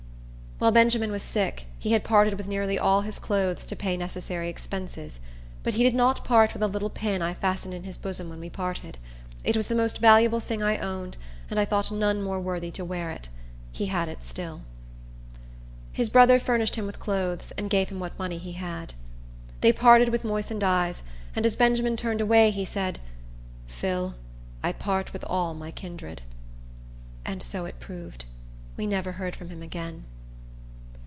While Benjamin was sick, he had parted with nearly all his clothes to pay necessary expenses. But he did not part with a little pin I fastened in his bosom when we parted. It was the most valuable thing I owned, and I thought none more worthy to wear it. He had it still. His brother furnished him with clothes, and gave him what money he had. They parted with moistened eyes; and as Benjamin turned away, he said, "Phil, I part with all my kindred." And so it proved. We never heard from him again.